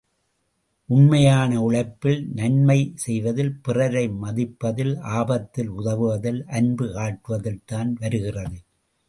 உண்மையான உழைப்பில், நன்மை செய்வதில், பிறரை மதிப்பதில், ஆபத்தில் உதவுவதில், அன்புகாட்டுவதில் தான் வருகிறது.